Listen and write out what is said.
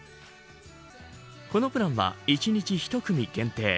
このプランは１日１組限定。